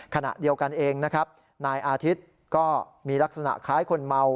ขณะเดียวกันเองนะครับนายอาทิตย์ก็มีลักษณะคล้ายคนเมา